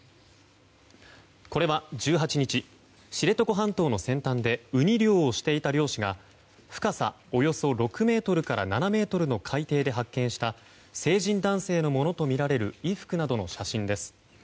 これは１８日、知床半島の先端でウニ漁をしていた漁師が深さおよそ６ｍから７ｍの海底で発見した成人男性のものとみられる衣服などの写真です。